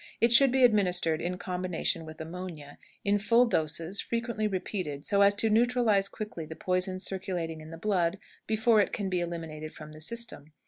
It should be administered in combination with ammonia, in full doses, frequently repeated, so as to neutralize quickly the poison circulating in the blood before it can be eliminated from the system.